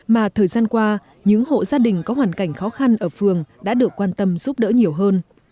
mà thời gian qua những hộ gia đình có hoàn cảnh khó khăn ở phường đã được quan tâm giúp đỡ nhiều hơn